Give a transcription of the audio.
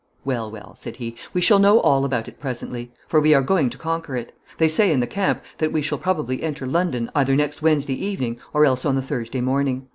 'Well, well,' said he, 'we shall know all about it presently, for we are going to conquer it. They say in the camp that we shall probably enter London either next Wednesday evening or else on the Thursday morning.